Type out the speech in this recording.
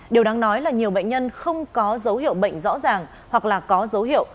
điều đáng nói là nhiều bệnh nhân không có dấu hiệu bệnh rõ ràng hoặc là có dấu hiệu